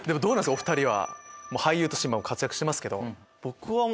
お２人は俳優としても活躍してますけど。